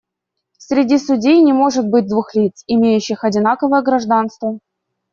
Среди судей не может быть двух лиц, имеющих одинаковое гражданство.